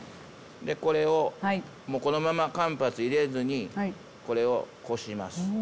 でこれをもうこのまま間髪入れずにこれをこします。